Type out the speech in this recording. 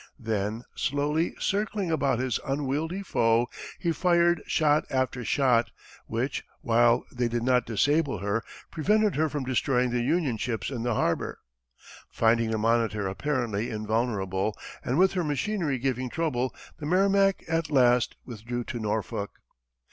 Then, slowly circling about his unwieldy foe, he fired shot after shot, which, while they did not disable her, prevented her from destroying the Union ships in the harbor. Finding the Monitor apparently invulnerable, and with her machinery giving trouble, the Merrimac at last withdrew to Norfolk.